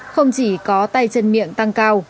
không chỉ có tay chân miệng tăng cao